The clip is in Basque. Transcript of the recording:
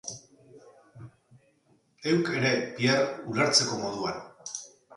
Heuk ere, Pierre, ulertzeko moduan.